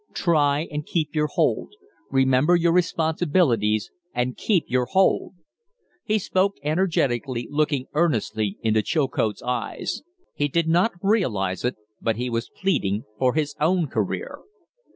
Try and keep your hold! Remember your responsibilities and keep your hold!" He spoke energetically, looking earnestly into Chilcote's eyes. He did not realize it, but he was pleading for his own career.